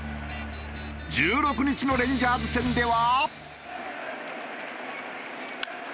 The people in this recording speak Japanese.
１６日のレンジャーズ戦では。